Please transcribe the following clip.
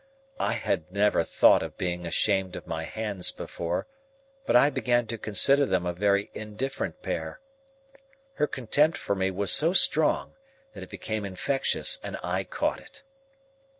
I had never thought of being ashamed of my hands before; but I began to consider them a very indifferent pair. Her contempt for me was so strong, that it became infectious, and I caught it.